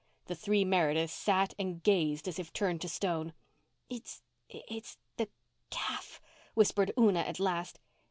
The three Merediths sat and gazed as if turned to stone. "It's—it's the—calf," whispered Una at last.